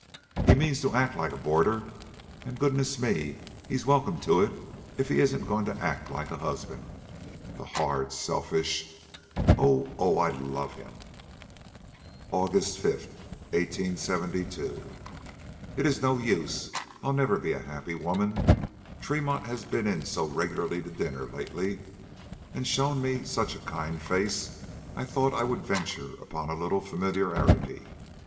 He means to act like a boarder, and, goodness me, he's welcome to if he isn't going to act like a husband! The hard, selfish Oh, oh, I love him!" "AUGUST 5, 1872. It is no use; I'll never be a happy woman. Tremont has been in so regularly to dinner lately, and shown me such a kind face, I thought I would venture upon a little familiarity.